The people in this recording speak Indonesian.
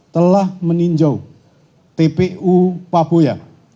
telah meninjau tpu paboya